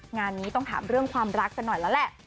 งานนี้ต้องถามเรื่องความรักกันหน่อยแล้วแหละ